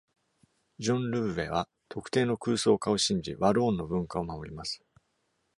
｢Jean Louvet は特定の空想家を信じ、Walloon の文化を守ります。｣